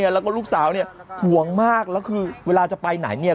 แล้วก็ลูกสาวเนี่ยห่วงมากแล้วคือเวลาจะไปไหนเนี่ย